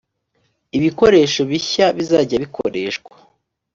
ibikoresho bishya bizajya bikoreshwa